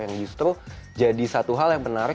yang justru jadi satu hal yang menarik